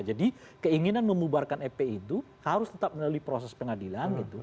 jadi keinginan membubarkan epi itu harus tetap melalui proses pengadilan